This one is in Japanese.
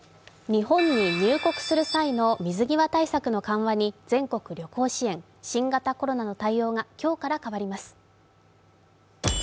日本に入国する際の水際対策の緩和に全国旅行支援新型コロナの対応が今日から変わります。